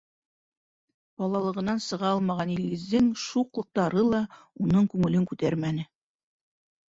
Балалығынан сыға алмаған Илгиздең шуҡлыҡтары ла уның күңелен күтәрмәне.